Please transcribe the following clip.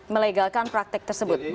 melegalkan praktek tersebut